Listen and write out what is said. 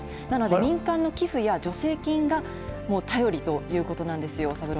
なので民間の寄付や助成金が頼りということなんですよ。